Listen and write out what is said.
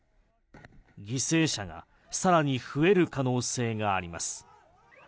犠牲者がさらに増える可能性があります。